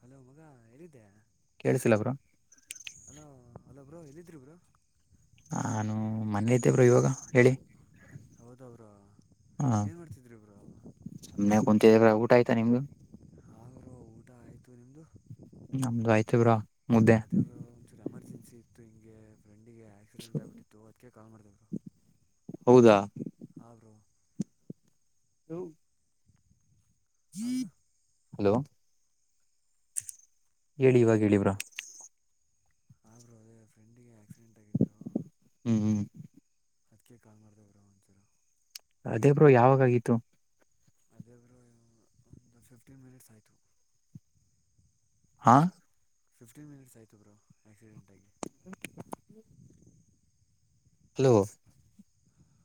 Hello ಮಗ ಎಲ್ಲಿದ್ದ್ಯಾ ಕೇಳಳ್ಸಿಲ್ಲಬ್ರು ಹಾಂ ಹಲೋ ಬ್ರೋ ಹೇಳಿದ್ದರು ಬರೋ ನಾನು ಮನಲಿ ಇದ್ದೇ ಬ್ರೋ ಇವಾಗ ಹೇಳಿ ಹೌದ ಬ್ರೋ ಹಾ ಏನ್ಮಾಡ್ತಿದ್ರಿ ಬ್ರೋ ಸುಮ್ನೆ ಕುಂತಿದ್ದೆ ಬ್ರೋ ಊಟ ಆಯ್ತಾ ನಿಮ್ದು ಹ ಬ್ರೋ ಆಯಿತು ನಿಮ್ಮದು [inaudible] ನಮ್ದು ಆಯ್ತ ಬ್ರೋ ಮುದ್ದೆ ಅದೇ ಬ್ರೋ ಒಂಚೂರು ಎಮರ್ಜೆನ್ಸಿ ಇತ್ತು ಹಿಂಗೆ ಫ್ರೆಂಡಿಗೆ ಆ್ಯಕ್ಸಿಡೆಂಟ್ ಆಗಿಬಿಟ್ಟಿತ್ತು ಅದಕ್ಕೆ ಕಾಲ್ ಮಾಡ್ದೆ ಹೌದಾ ಬ್ರೋ [inaudible] ಹಾ ಬ್ರೋ [unintelligible] ಹಾಂ ಬ್ರೋ [inaudible] ಹಲೋ ಹೇಳಿ ಇವಾಗ ಹೇಳಿ ಬ್ರೋ ಹ ಬ್ರೋ ಇವತ್ತು ಫ್ರೆಂಡ್ಗೆ ಆಕ್ಸಿಡೆಂಟ್ [inaudible] ಹ್ಮ್ ಹ್ಮ್ ಅದಕ್ಕೆ ಕಾಲ್ ಮಾಡ್ದೆ ಬ್ರೋ ಒಂಚೂರು ಅದೇ ಬ್ರೋ ಯಾವಾಗ ಆಾಗಿತ್ತು ಅದೇ ಬ್ರೋ ಒಂದು ಫಿಫ್ಟೀನ್ ಮಿನಿಟ್ಸ್ ಆಯಿತು ಹಾ ಫ್ಟೀನ್ ಮಿನಿಟ್ಸ್ ಆಯತು bro accident [inaudible] hello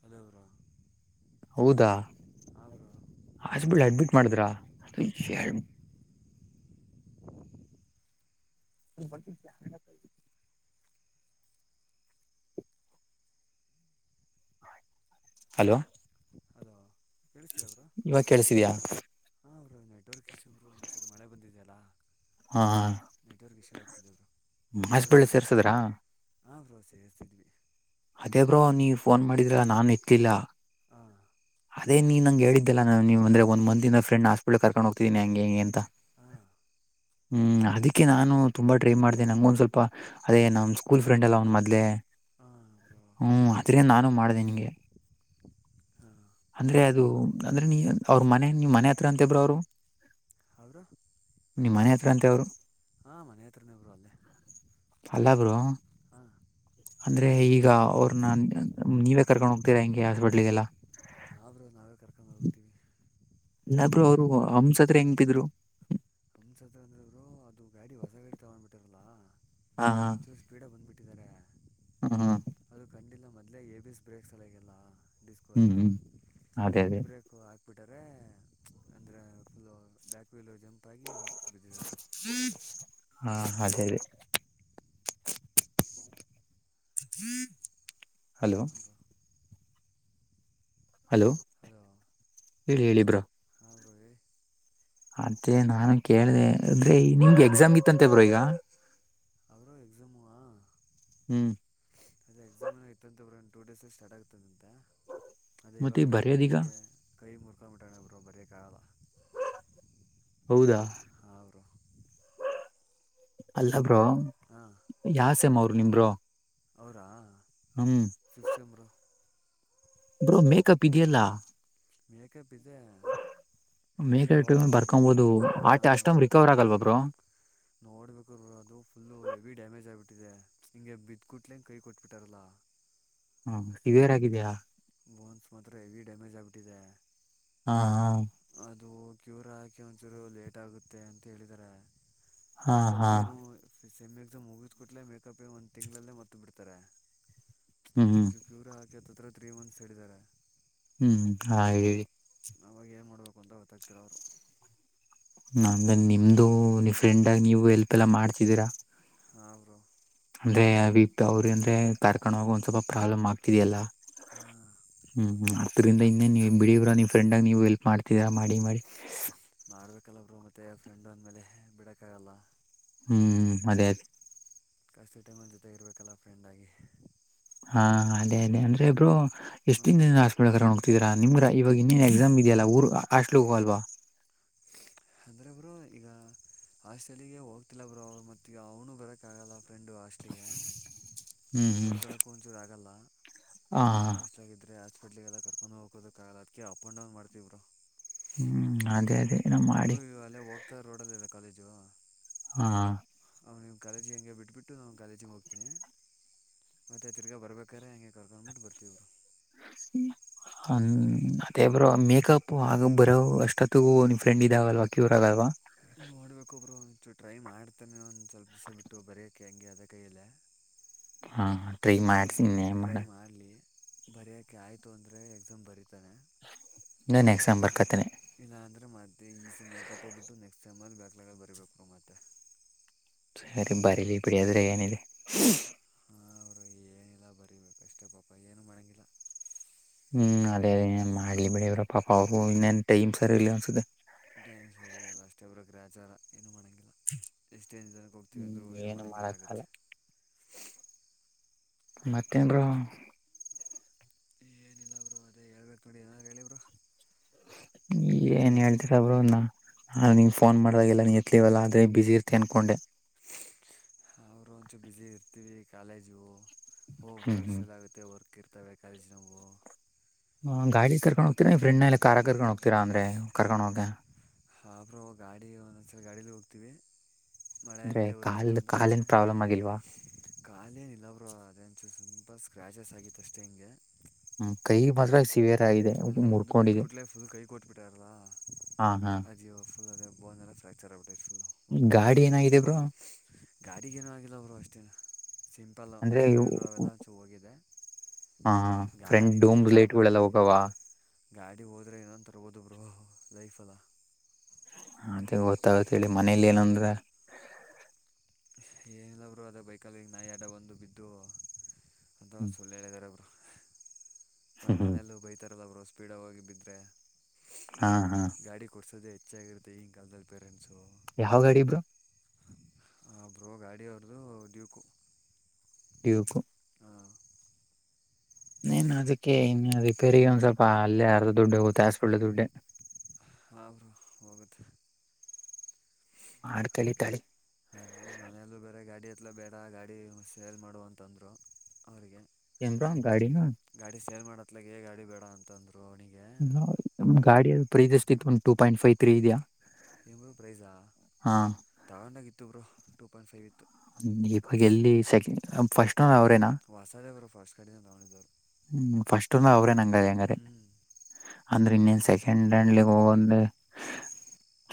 hello bro ಹೌದಾ ಹಾಂ ಬ್ರೋ ಹಾಸ್ಪಿಟ್ಲ್ ಅಡ್ಮಿಟ್ ಮಾಡಿದ್ರಾ [unintelligible] ಹಲೋ. ಹಲೋ ಕೇಳಿಸ್ತಿಲ್ಲ ಬ್ರೋ ಇವಾಗ ಕಳ್ಸಿದ್ಯಾ ಹಾಂ ನೆಟ್ವರ್ಕ್ ಇಶ್ಯೂ ಒಂಚುರ್ ಮಳೆ ಬಂದಿದೆಯಲ್ಲ ಹಾ ನೆಟ್ವರ್ಕ್ ಇಶ್ಯೂ ಆಗ್ತಿದೆ ಬ್ರೋ [inaudible] ಮಾಸ್ಬಳ್ಳಿ ಸೇರ್ಸದ್ರಾ ಹಾಂಬ್ರೋ ಸೇಸಿದ್ವಿ ಅದೇ ಬ್ರೋ ನೀ ಫೋನ್ ಮಾಡಿದ್ರ ನಾನನ್ ಇತ್ಲಿಲ್ಲ ಹಾಂ ಅೇ ನೀನು ನಂ ಹೇಳಿದ್ದೆ ನಾನ ನೀವು ಅಂದೆ ಒನ್ ಮಂತ್ ಇಂದ ಫ್ರೆಂಡ್ ಹಸ್ಪಟ್ಲ್ ಕರ್ಕೊಂಡ ಹೋಗ್ತಿದೀನಿ ಅಂಗೆ ಇಂಗೆ ಅಂತ ಹಾಂ ಹ್ಮ್ ಅದಿಕ್ಕೆ ನಾನು ತುಂಬಾ ಟ್ರೈ ಮಾಡ್ದೆ ನಂಗೊಂದ್ ಸ್ವಲ್ಪ ಅದೇ ನಮ್ ಸ್ಕೂಲ್ ಫ್ರೆಂಡ್ ಅಲ್ಲ ಅವ್ ಮದ್ಲೆ ಹ ಹ್ಮ್ ಅದ್ರೆ ನಾನು ಮಾಡ್ದೆ ನಿಂಗೆ. ಹಾಂ ಅಂದ್ರೆ ಅದು ಅಂದ್ರೆ ನೀ ಅವ್ರ ಮನೆ ನಿಮ್ಮ ಮನೆ ಹತ್ರ ಅಂತೇ ಬ್ರೋ ಅವರು. [unintelligible] ನಿಮ್ಮ ಮನೆ ಹತ್ರ ಅವ್ರು. ಹಾ ಮನೆ ಹತ್ರನೇ ಬ್ರೋ ಅಲ್ಲೇ. ಅಲ್ಲ ಬ್ರೋ. ಹಾಂ ಅಂದ್ರೆ ಈಗ ಅವ್ರನ್ನ ನೀವೇ ಕರ್ಕೊಂಡ್ ಹೋಗ್ತೀರಾ ಹಿಂಗೆ ಹಾಸ್ಪಿಟ್ಲಿಗೆಲ್ಲಾ. ಹಾ ಬ್ರೋ ನಾವೇ ಕರ್ಕೊಂಡು ಹೋಗತೀವಿ. ಇಲ್ಲಾ ಬ್ರೋ ಅವ್ರು ಹಮಸತ್ರ ಹೆಂಗ ಬಿದ್ರು. [inaudible] ಅಂದ್ರೆ ಬ್ರೋ ಅವರು ಅದು ಗಾಡಿ ಹೊಸ ಗಾಡಿ ತಗೊಂಡ್ ಬಿಟ್ಟ್ರಲ್ಲ ಹಾ ಹಾ ಚೂರ ಸ್ಪೀಡ ಆಗಿ ಬಂದ್ಬಿಟ್ಟ. ಇಟ್ಟಿದ್ದಾರೆ ಹ್ಮ್ ಹ್ಮ್ ಅದು ಕಂಡಿಲ್ಲ ಮೊದ್ಲೇ ಎ ಬಿ ಎಸ್ ಬ್ರೇಕ್. [inaudible] ಹ್ಮ್ ಹ್ಮ್ ಅದೇ ಅದೇ. ಬಿಟ್ಟರೆ ಅಂದ್ರೆ ಫುಲ್ ಬ್ಯಾಕ್ ವೀಲ್ ಜಂಪ್ ಬಾಗಿ ಮುಗಿಸಿ ಬಿದ್ದಿದ್ದಾರೆ ಬ್ರೋ. ಹಾ ಅದೇರಿ [inaudible] [inaudible] ಹಲೋ ಅವರು ಹಲೋ ಹಲೋ ಹೇಳಿ ಹೇಳಿ ಬ್ರೋ. ಅವರು ಹೇಳಿ ಅದೇ ನಾನು ಕೇಳಿದೆ ನಿಮ್ಗೆ ಎಕ್ಸಾಮ್ಗೆ ಇತ್ತ ಅಂತೆ ಬ್ರೋ ಈಗ. ಅವರು ಎಕ್ಸಾಮು ಹ್ಮ್ ಎಕ್ಸಾಮ್ಗ ಇತ್ತ ಅಂತ ಬ್ರೋ ಒಂದು ಟೂ ಡೇಸ್ ಅಲ್ಲಿ ಸ್ಟಾರ್ಟ್ ಆಗ್ತದ ಅಂತ. ಅದೇ ಮತ್ತೆ ಇವಾಗಲೇ ಬಿದ್ದ ಬರೆಯೋದೀಗ ಹಿಂಗೆ ಕೈ ಮುರ್ಕೊಂಡ ಬಿಟ್ಟಲ್ ಬ್ರೋ ಬರಿಯೋಕಾಗಲ್ಲ. [inaudible] ಹೌದಾ ಅಲ್ಲ ಬ್ರೋ ಹಾಂ ಯಾವ ಸೇಮ್ ಅವರು ನಿಮ್ಮ ಬ್ರೋ. ಅವರಾ ಹ್ಮ್ fifth same bro. Bro makeup ಇದೆಯಲ್ಲಾ. ಮೇಕಪ್ ಇದೆ ಅದೇ ಮೇಕಟ ಅವಾಗ ಬರ್ಕೊಬಹದು ಆಟ ಅಷ್ಟೊಂದು ರಿಕವರ್ ಆಗಲ್ವಾ ಬ್ರೋ. ನೋಡ್ಬೇಕು ಬ್ರೋ ಅದು ಫುಲ್ಲು ಹೆವಿ ಡ್ಯಾಮೇಜ್ ಆಗ್ಬಿಟ್ಟಿದೆ ಹಿಂಗೆ ಬಿದ್ದಕೂಡ್ಲೆ ಕೈ ಕೊಟ್ಬಿಟ್ಟಾರಲ್ಲಾ. [inaudible] ಹ್ಮ ಸಿವಿಯರ್ ಆಗಿದೆಯಾ. ಬೋನ್ಸ್ ಮಾತ್ರ ಹೆವಿ ಡ್ಯಾಮೇಜ್ ಆಗ್ಬಿಟ್ಟಿದೆ. ಹಾ ಅದು ಕ್ಯೂರ್ ಹಾಗಕ್ಕೆ ಒಂಚೂರು ಲೇಟ್ ಆಗುತ್ತೆ ಅಂತ ಹೇಳಿದಾರೆ ಹಾ ಹಾ ಮೇಕಪ್ಪೇನು ಸೆಮ್ ಎಕ್ಸಮ್ ಮುಗುದ್ ಕುಟ್ಲೆ ಮೆಕ್ಕಪ್ಪಿಗ್ ಒಂದ್ ತಿಂಗ್ಳಲ್ಲೇ ಮತ್ ಬಿಡ್ತರೆ, ಹ್ಮ್ ಹ್ಮ್ ಇದು ಪ್ಯೂರ್ ಅತ್ ಅತ್ರ ತ್ರೀ ಮಂತ್ಸ್ ಹೇಳಿದರೆ ಹ್ಮ್ ಹಾಗ್ ಹೇಳಿ. ಅವಾಗ್ ಏನ್ ಮಾಡ್ಬೇಕು ಅಂತ ಗೊತ್ತಾಗ್ತಿರೋರು. ನಮ್ದೆನ್ ನಿಮ್ದು ನೀವ್ ಫ್ರೆಂಡ್ ಆಗಿ ನೀವು ಎಲ್ಪ್ ಎಲ್ಲಾ ಮಾಡ್ತಿದ್ದೀರಾ? ಹಾ ಬ್ರೋ ಅಂದ್ರೆ ಅವ ಅವ್ರ ಅಂದ್ರೆ ಕಾರ್ ಕೊಂಡ ಹೋಗ ಒಂದ್ ಸ್ವಲ್ಪ ಪ್ರಾಬ್ಲಮ್ ಆಗ್ತಿದೆಯಲ್ಲಾ ಹಾಂ ಹ್ಮ್ ಹ್ಮ್ ಅದ್ರಿಂದ ಇನ್ನೇನ್ ನಿ ಬಿಡಿ ಬ್ರೊ ನಿಮ್ ಫ್ರೆಂಡಾಗ್ ನೀವು ಹೆಲ್ಪ್ ಮಾಡ್ತಿರ ಮಾಡಿ ಮಾಡಿ. ಮಾಡ್ಬೇಕಲ್ಲ ಬ್ರೊ ಮತ್ತೆ ಫ್ರೆಂಡು ಅಂದ್ಮೇಲೆ ಬಿಡಕ್ಕಾಗಲ್ಲ. ಹ್ಮ ಅದೇ ಅದೇ. ಕಷ್ಟುದ್ ಟೈಮಲ್ ಜೊತೆಗಿರ್ಬೇಕಲ್ಲ ಫ್ರೆಂಡಾಗಿ ಹಾ ಅದೇ ಅದೆ ಅಂದ್ರೆ ಬ್ರೊ [unintelligible] ಹ್ಞೂ ದಿನ [unintelligible] [unintelligible] ನಿಮ್ಗ್ರ ಇವಾಗ ಇನ್ನೇನ್ ಎಕ್ಸಾಮ್ ಇದಿಯಲ್ಲ ಊರ್ ಹಾಸ್ಟ್ಲುಗ್ ಹೋಗಲ್ವಾ? ಅಂದ್ರೆೆ ಬ್ರೊ ಈಗ ಹಾಸ್ಟೆಲಿಗೆ ಹೋಗ್ತಿಲ್ಲ ಬ್ರೊ ಅವ್ರ್ ಮತ್ತಿಗ ಅವ್ನು ಬರಕ್ಕ ಆಗಲ್ಲ. ಫ್ರೆಂಡು ಹಾಸ್ಟ್ಲಿಗೆ ನೋಡ್ಕೊಳ್ಳಕ್ಕೂ ಒಂಚೂರು ಆಗಲ್ಲ ಹಾ ಕಡ್ಲಿಿಗೆಲ್ಲ ಕರ್ಕೊಂಡು ಹೋಗೋ ಕಲ್ಲ ಅದಕ ಅಪ್ ಅಂಡ ಡೌನ್ ಮಾಡ್ತಿವ್ರು ಹ್ಮ್ ಅದೇ ಅದೇ ನಮ್ಮ ಹೆಗೂ ಅಲ್ಲೇ ಹೋಗ್ತಾ ರೋಡಲ್ಲಿ ಇಲ್ಲ ಕಾಲೇಜು ಹಾ ಅವ ನೀವು ಕಾಲೇಜಿಗೆ ಹಂಗೆ ಬಿಟ್ಬಿಟ್ಟು ನಾನು ಕಾಲೇಜಿಗೆ ಹೋಗ್ತೀನಿ ಮತ್ತೆ ತಿರ್ಗಾ ಬರ್ಬೇಕಾರ್ರೆ ಹಂಗೆ ಕರ್ಕ್ಬಿಟ್ಟು ಬರ್ತವ್ರು ಹ್ಮ ಹ ಮತ್ತೇಬ್ರು ಮೇಕಪ್ ಆಗ ಬರೋ ಅಷ್ಟೊತ್ತ ನಿ್ ಫ್ರೆಂಡ್ ಇದಾಗಲ್ವಾ ಕ್ಯೂರ್ ಆಗಲ್ವಾ ನೋಡ್ಬೇಕೊಬ್ರು ಒಂು ಟ್ರೈ ಮಾಡ್ತಾನೆ ಒಂದ್ ಸ್ವಲ್ಪ ದಿವಸ ಬಿಟ್ಟು ಬರಯಕೆ ಹೆಂಗೆ ಅದ ಕೈಯಲ್ಲ ಹಾ ಟ್ರೀ ಮಾಡ್ತೀನಿ ಏನ್ ಮಾಡಕ್ ಬರೆಯೋಕೆ ಆಯ್ತು ಅಂದರೆ ಎಕ್ಸಾಮ್ ಬರತಾನೆ ಇ ನೆಕ್ಸ್ಸಂಬರ್ಕತೆ ಇಲ್ಲ ಅಂದರೆ ಮತ್ತೆ ಈ ಸ ಮೇಕಪ್ ಹೋಗಿಬಿಟ್ಟು ನೆಕ್ಸ್ಟ್ ಟೈಮಲ್ಲಿ ಬ್ಯಾಕ್ಲಾಗ ಬರೀಬೇಕ್ರರು ಮತ್ತೆ ಬಾರಿಲಿ ಬಿಡಿಯಾದರೆ ಏನಿದೆ ಹಾಂ ಅವರು ಏನಿಲ್ಲ ಬರಿಬೇಕು ಅಷ್ಟೇ ಪಾಪ ಏನೂ ಮಾಡೋಂಗಿಲ್ಲ ಹ್ಮ್ ಅದೇ ಅದೇನ್ ಮಾಡ್ಲಿ ಬಿಡ ಇ್ರಪ್ಪಾ ಅವರು ಇನ್ನೇನ್ ಟೈಮ್ ಸರಿ ಇಲ್ಲ ಅನ್ಸುತ್ತೆ ಡೇಮ್ ಸರಿ ಇಲ್ಲ ಅಷ್ಟೇ ಒಬ್್ರ ಗ್ರ ಆಚಾರ ಏನು ಮನೆ ಲ್ಲ ಎಷ್ಟೇನು ಜನಕ್ಕೆ ಹೋಗ್ತೀವಿ ಹ್ಮ್ ಅಂದರೂ ಏನು ಮಾಡೋಂಗಿಲ್ಲ ಮಾಡಕ್ಕಾಗಲ್ಲ ಆಗುತ್ತೆ ಮತನ್ ರ ಏನಿಲ್ಲ ಬ್ರೋ ಅದೇ ಹೇಳ್ಬೇಕು ನೋಡಿ ಏನಾದ್ರು ಹೇಳಿ ಬ್ರೋ ಹೆಂಗಿದೆ ಏನ್ ಲೈಫು ಹೇಳ್ತೀರಬ್ರನ್ನ ಹಾಂ ನಿಂಗ ಫೋನ್ ಮಾಡ್ದಾಗೆಲ್ಲ ನೀನ್ ಎತ್ಲವಲ್ಲ ಆದ್ರೆ ಬಿಸಿಸಿ ಇತತೆ ಅನ್ಕೊಂಡೆ ಅವರು ಒಂಚೂ ಬಿಸಿಿ ಇರ್ತೀವಿ ಕಾಲೇಜು ಹೋಗ್ಬರು ಹ್ಮ್ ಹ್ಮ್ ಅಷ್ಟೆಲ್ಲಗುತ್ತೆ ವರ್ಕ್ ಇರ್ತವೆ ಕಾಲೇಜ್ ನವು ಹ ಗಾಡಿಿಗೆ ಕರ್ಕೊಂಡ್ ಹೋಗತರಾ ಈ ಫ್ರೆ್ ಎಲ್ಲ ಕಾರಾಗ ಕರ್ಕೊಂಡ್ ಹೋಗ್ತೀರ ಅಂದ್ರೆ ಕರ್ಕೊಂಡ್ ಹೋಗಿ ಹಾಬ್ರ ಗಾಡಿ ಒಂದೊಂದ್ಸಲ ಗಾಡಿಲಿ ಹೋಗ್ತಿೀವಿ ಅಂದ್ರೆ ಕಾಲ್ ಕಾಲ ನ್ ಪ್ರಾಬ್ಲಮ್ ಆಗಿಲ್ವಾ ಖಾಲೇನಿಲ್ಲ ಬ್ರೋ ಅದೇಂಚು ಸ್ುಪ ಸ್ಕ್ರ್ಯಾಚಸ್ ಆಗಿತ್ತು ಅಷ್ಟೇ ಹಿಂಗೆ ಹ್ಮ ಕೈ ಮೆ ಅಂದ್ರೆ ಮುಂದಕ್ಕೆ ಬಿಟ್ಕಟ್ಲೇ ಫುಲ್ ಕೈ ಕೊಟ್ಬಿಟ್ಟಾರಲ್ಲ ಹಾ ಹಾ ಅದಯೋ ಫ್ರಾಚರ್ ಗಾಡಿ ಏನಾಗಿದೆ ಬ್ರೋ ಗಾಡಿಗೇನೂ ಆಗಿಲ್ಲ ಅವರು ಅಷ್ಟೇ ಸಿಂಪಲ್ ಮೀರೆಯರು ಅವೆಲ್ಲ ಒಂಚೂ ಹೋಗಿದೆ ಹಾ ಫ್ರೆಂಡ್ ಗಾಡಿ ಡೂಮ್ ಬಿಡಿ ಬ್ರೋ ರಿಲೇಟಿವ್ಗಳೆಲ್ಲ ಗಾಡಿ ಹೋಗವ ಗಾಡಿ ಹೋದ್ರೆ ಏನೊಂತರ ಹೋದ ಬ್ರೋ ಲೈಫ ಅಲ್ಲಾ ಅದ ಗೊತ್ತಾಗತ್ೇಳಿ ಮನೇಲಿ ಏನಂದ್ರ ಏನಿಲ್ಲಬ್ರು ಅದೇ ಬೈಕಲ್ಲಿ ಈಗ ನಾಯಿ ಆಡ ಬಂದು ಬಿದ್ದು ಅಂತ ಒಂದು ಸಳ್ಳ ಹೇಳಿದ್ದಾರೆೊಬ್ರು ಮತ್ತ ಹ್ಮ್ ಮನೇಲ್ಲ ಬೈತಾರಲ್ಲ ಅವರು ಸ್ಪೀಡ್ೋಗ ಬಿದ್ರೆ ಹಾ ಹಾ ಗಾಡಿ ಕೊಡ್ಸೋದೇ ಐತ ಹೆಚ್ಚ ಆಾಗಿರುೆ ಈ ಕಾಲದಲ್ಲಿ ಪೇರೆಂಟ್ಸು ಯಾವ ಗಾಡಿ ಇಬ್ರು ಹ ಬ್ರೋ ಗಾಡಿ ಅವ್ರದು ಡ್ಯೂಕು ಡ್ಯೂಕ್ಕು ಹಾಂ ನೀನ್ ಅದಕ್ಕೆ ಇನ್ನು ರಿಪೇಗ ಒಂದ್ ಸ್ವಲ್ಪ ಅಲ್ಲೇ ಅರ್ದ ದುಡ್ಡು ಹತಾಯಿಸಬೊಳ್ಳೆ ದುಡ್ಡ ಹಾಬ್ರು ಹೋಗುತ್ತೆ ಮಾಡಡ್ ಕಲಿತಾಳೆ ಅ ಮನೆಯಲ್ಲ ಬೇರೆ ಗಾಡಿ ಎತ್ಲ ಬೇಡ ಗಾಡಿ ಸೇಲ್ ಮಾಡುವ ಅಂತಂದ್ರು ಅವ್ರಿಗೆ ಕೆಮ್ರ ಗಾಡಿ ನ ೇಲ್ ಮಾಡತ್ತಲಾಗ ೇ ಗಡಿ ಬೇಡ ಅಂತಂದು ಗಾಡಿ ಪ್ರೀದಷ್ಟ ಇತ್ತು ಒಂದ್ ಟೂ ಪಾಯಿಂಟ್ ಫೈವ್ ತ್ರೀ ಇದೆಯಾ ಇರು ಪ್ರೈಸಾ ಹಾ ತಗೊಂಡಾಗ ಇತ್ತು ಬರು ಟೂ ಪಾಯಿಂಟ್ ಫೈವ್ ಇತ್ತು ಇವಾಗ್ ಎಲ್ಲಿ ಸೆಕೆಂಡ್ ಫಸ್ಟ್ ಓನರ್ ಅವ್ರೇನಾ ವಾಸಾ ದೇವರು ಫಸ್ಟ್ ಕಡೆನ ನೋಡಿದು ಹ್ಮ್ ಫಸ್ಟ್ಂದ ಅವ್ರೇ ನಂಗೆ ಹಂಗಾರೆ ಹ್ಞೂ ಅಂದ್ರೆ ಇನ್ನೇನ್ಸ ಸೆಕೆಂಡ್ ಹ್ಯಾಂಡಲ್ಲಿ ಹೋಗಂದು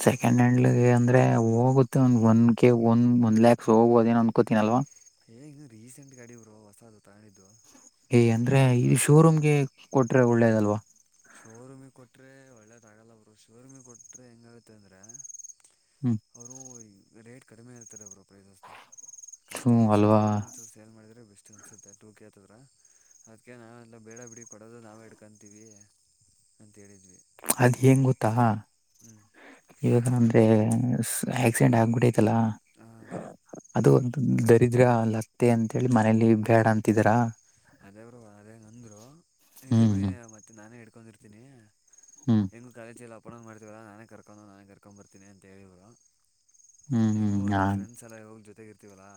ಸೆಕೆಂಡ್ ಹ್ಯಾಂಡಲ್ಗೆ ಅಂದ್ರೆ ಹೋಗುತ್ತೆ ಒಂದ ಒಂದ ಕೆ ಒಂದ್ ಒಂದ್ ಲ್ಯಾಕ್ಸ್ ಹೋಗುವದೇನೋ ಅನ್ಕೋತಿನಲ್ವ ಏ ಇನ್ನು ರೀಸಂಟ್ ಗಾಡಿ ಬ್ರೊ ಹೊಸಾದು ಏಯ ಅಂದ್ರೆ ಈ ಶೋರೂಮ್ಗೆ ಕೊಟ್ರೆ ಒಳ್ಳೇದಲ್ವಾ ಶೋರೂಮಿಗೆ ಕೊಟ್ಟರೆ ಒಳ್ಳೇದಾಗಲ್ಲ ಬ್ರೊ ಶೋರೂಮಿಗೆ ಕೊಟರೆ ಹೆಂಗಾಗುತ್ತೆ ಅಂದ್ರೆ ಹ್ಮ್ ಅವರು ರೇಟ್ ಕಡಿಮೆ ಹೇಳ್ತಾರೆ ಬ್ರೊ [unintelligible] ಹ್ಮ್ ಕಸ್ಟಮರ್ಸ್ ಅಲ್ವಾ ಹತ್ರನೇ ಒಂಚೂರ್ ಸೇಲ್ ಮಾಡಿದರೆ ಬೆಸ್ಟ್ ಅನ್ಸುತ್ತೆ ಟೂ ಕೆ ಹತದ್ರ ಅದಕ್ಕೆ ನಾವೆ ಎಲ್ಲ ಬೇಡ ಬಿಡಿ ಕೊಡೋದು ನಾವೆ ಇಡ್ಕಂತೀವಿ ಅಂತ್ ಹೇಳಿದ್ವಿ ಅದ್ ಹೆಂಗ ಗೊತ್ತಾ ಹ್ಞೂ ಇವಾಗ ನಂದ್ರೆ ಆಕ್ಸಿಡೆಂಟ್ ಆಗ್ಬಿಟ್ ಆಯಿತ್ ತಲ ಹಾಂ ಅದು ಒಂದು ದರಿದ್ರ ಲತ್ತೆ ಅಂತೇಳಿ ಮನೇಲಿ ಬೇಡ ಅಂತಿದರಾ ಅದೇ ಬ್ರೊ ಅದೇ ನಂದ್ರು ಇರ್ಲಿ ಹ್ಮ್ ಬಿಡಿ ಮತ್ತೆ ನಾನೇ ಇಡ್ಕೊಂಡಿರ್ತೀನಿ ಹ್ಮ್ ಹೆಂಗು ಕಾಲೇಜಿ ಇಲ್ಲ ಪುನಃ ಮಾಡ್ತೀವಲ್ಲ ನಾನೇ ಕರ್ಕೊಂಡು ನಾನೇ ಕರ್ಕೊಂಡ್ಂಬರ್ತೀನಿ ಅಂತ ಹೇಳಿದ್ರು ಹ್ಮ್ ಹ್ಮ್ ಹೆಂಗೋ ಹ್ಮ್ ಒಂತ ಹಾ ಫ್ರೆಂಡ್ಸ್ ಎಲ್ಲ ಯಾವಾಗ್ ಜೊತೆಗಿರ್ತೀವಲ್ಲಾ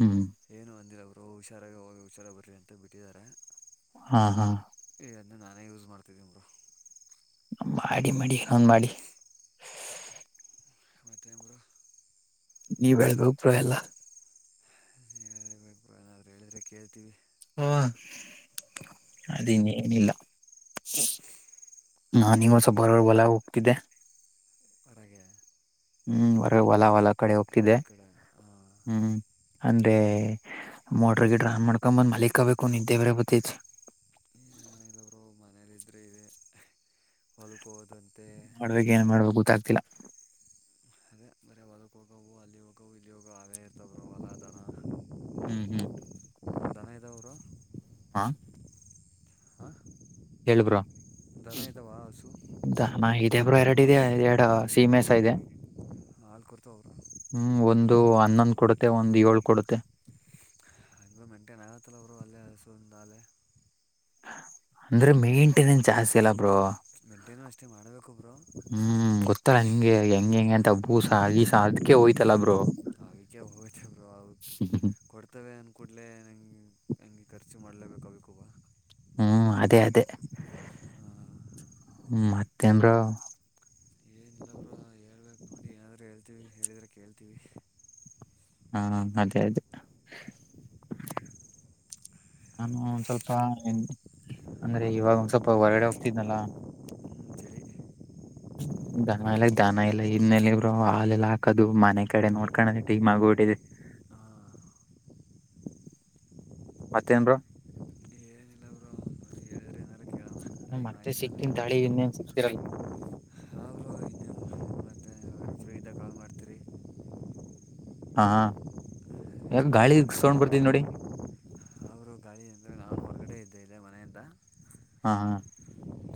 ಹ್ಮ್ ಏನು ಅಂದಿಲ್ಲ ಅವರು ಬ್ರೊ ಹುಷಾರಾಗಿ ಹೋಗಿ ಹುಷಾರ ಬರ್ರಿ ಅಂತ ಬಿಟ್ಟಿದ್ದಾರೆ ಹಾ ಹಾ ಎ ಅದ್ನೇ ನಾನೇ ಯೂಸ್ ಮಾಡದೀನಿ ಬ್ರೋ ಮಾಡಿ ಮಾಡಿ ಹಂಗ್ ಮಾಡಿ ಮತ್ತೆ ಬ್ರೊ ನಿವ್ ಹೇಳ್ಬೇಕು ಬ್ರೊ ಯಲ್ಲ ಹೇಳ್ಬೇಕು ಬ್ರೊ ಏನಾದ್ರು ಹೆಳ್ದ್ರೆ ಕೇಳ್ತಿವಿ ಹುಂ ಅದಿನ್ನೇನಿಲ್ಲ [unintelligible] ಹೊಲ ಹೋಗ್ತಿದ್ದೆ ಆರಾಗೆ ಹ್ಮ್ ಹೊರ ಹೊಲ ಹೊಲ ಕಡೆ ಹೋಗ್ತಿದ್ದೆ ಕಡೆ ಹಾಂ ಹ್ಮ್ ಅಂದೆ ಮೋಟ್ರ ಗಿಟ್ರು ಆನ್ ಮಾಡ್ಕೊ ಬಂದ್ ಮಲಿಕಬೇಕು ನಿದ್ದೆ ಬೆರೇ ಬತಾಯಿತೇ ನಿದ್ರೆ ಇದೆ ಮಲ್ಕೊತ್ ಮಾಡ್ಬೇಕ ಏನು ಮಾಡ್ಬೇಕ ಗೊತ್ತಾಗ್ತಿಲ್ಲ ಅದೇ ಬರೀ ಹೊಲಕ್ ಹೋಗವು ಅಲ್ಲಿ ಹೋಗವು ಇಲ್ಲಿ ಹೋಗ ಅದೇ ಇರ್ತವ್ ಬ್ರೊ ಹೊಲ ದನ ಹ್ಮ್ ಹ್ಮ್ ದನ ಇದಾವ ಬ್ರೊ ಹಾ ಹಾ ಹೇಳಿ ಬ್ರೋ ಹಸು ದನ ಇದೆ ಬ್ರೋ ಎರಡಿದೆ, ಎರಡು ಸೀಮೆಸಗೆ ಹಾಲು ಕೊಡ್ತಾವ ಬ್ರೋ ಹ್ಮ್ ಒಂದು ವಾ ಹನ್ನೊಂದ್ ಕೊಡುತ್ತೆ ಒಂದ್ ಏಳ್ ಕೊಡುತ್ತೆ. ಹ ಮಂಟನ್ ನಗಾಗತ್ತ ಬರ ಅಲ್ಲಸುಂದಾಲೆ [inaudible] ಅಂದ್ರೆ ಮೇಂಟೆನೆನ್ಸ್ ಜಾಸ್ತಿ ಅಲ್ಲ ಬ್ರೋ ಮೇಂಟೇನು ಅಷ್ಟೇ ಮಾಡಬೇಕು ಬ್ರೋ ಹ್ಮ್ ಗೊತ್ತಲ್ಲ ಹೆಂಗೆ ಹೆಂಗೆಗೆ ಅಂತ ತಬ್ಬು ಸಾಗಿ ಸಾದ್ಕೆ ಹೋಯ್ತಲ್ಲ ಬ್ರೊ [unintelligible] ಹೋಯ್ತರು ಬ್ರೊ ಅವಕ್ಕೆ ಕೊಡ್ತವೆ ಅನ್ ಕೂಡಲೇ ನಂಗೆ ಹೆಂಗೆ ಖರ್ಚು ಮಾಡ್ಲೇಬೇಕು ಕೂವ ಹ್ಮ್ ಅದೇ ಅದೇ ಮಾತೇನ್ ಬ್ರೊ ದ್ ಹೇಳ್ತೀವಿ ಹೇಳ್ದ್ರೆ ಕೇಳ್ತೀವಿ ಹಾ ಅದೇ ಅದೇ ನಾನು ಒಂದ್ ಸ್ವಲ್ಪ ಅಂದ್ರೆ ಇವಾಗ ಒಂದ್ ಸ್ವಲ್ಪ ಹೊರಗಡೆ ಹೋಗ್ತಿನಲ್ಲ ಹ್ಮ [inaudible] ದನ ಇಲ್ಲ ದನ ಇಲ್ಲ ಇನ್ನಲಿ ಇಬ್ರು ಹಾಲೆಲ್ಲ ಹಾಕದು ಮನೆ ಕಡೆ ನೋಡ್ಕೊಂಡದ ಟೀಮಗ ಬಿಟ್ಟಿದೆ. ಹ [inaudible] ಮತ್ತೇನು ಬ್ರೋ ಏನಿಲ್ಲ ಬ್ರೋ ಹೇಳಿದ್ರೆ ಏನಾರು ಕೇಳೋಣ ನಾನು ಟೈಮ್ ಮತ್ತೆ ಆಯಿತು ಅಲ್ಲ ಸಿಗ್ತೀನಿ ತಾಳಿ ಇನ್ನೇನ್ ಸಿಕ್ತಿರಲ್ಲ ಹಾಂ ಬ್ರೋ ಇನ್ನೇನು ಮತ್ತೆ ಫ್ರೀ ಇದ್ದಾಗ ಕಾಲ್ ಮಾಡ್ತೀರಿ ಹಾ ಏನ್ ಗಾಳಿ ಸೌಂಡ್ ಬರ್ತಾ ಇದೆ ನೋಡಿ ಅವರು ಗಾಳಿ ನಾವು ಹೊರಗಡೆ ಇದ್ದೇ ಇ [inaudible] ಹಾ ಹಾ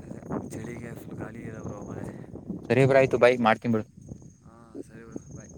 ಅದೇ ಚಳಿಗೆ ಫುಲ್ ಗಾಳಿ ಇರೋ ಬ್ರೋ ಮಳೆ ಸರಿಬ್ರ ಆಯ್ತು ಬಾಯ ಮಾಡ್ಕನ್ ಬಿಳ ಹಾಂ ಸರಿ ಬ್ರೋ ಬಾಯ್